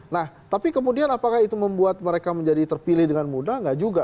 nah tapi kemudian apakah itu membuat mereka menjadi terpilih dengan mudah nggak juga